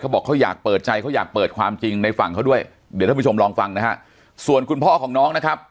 บอกเขาอยากเปิดใจเขาอยากเปิดความจริงในฝั่งเขาด้วยเดี๋ยวท่านผู้ชมลองฟังนะฮะส่วนคุณพ่อของน้องนะครับ